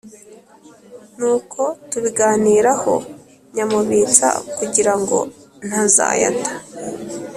Nuko tubiganiraho nyamubitsa kugira ngo ntazayata